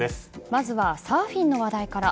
まずはサーフィンの話題から。